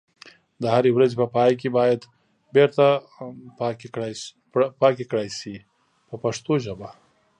د هرې ورځې په پای کې باید بیرته پاکي کړای شي په پښتو ژبه.